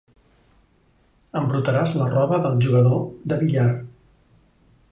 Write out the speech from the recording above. Embrutaràs la roba del jugador de billar.